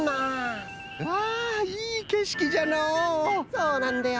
そうなんだよ！